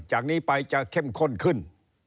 จากนี้ไปจะเข้มข้นขึ้น